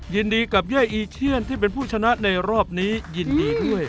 ยินดีกับเย่อีเชียนที่เป็นผู้ชนะในรอบนี้ยินดีด้วย